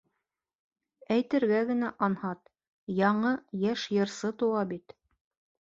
Әйтергә генә анһат, яңы, йәш йырсы тыуа бит...